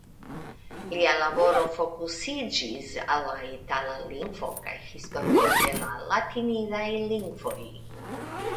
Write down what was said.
Lia laboro fokusiĝis al la itala lingvo kaj historio de la latinidaj lingvoj.